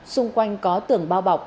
xung quanh có tưởng bao bọc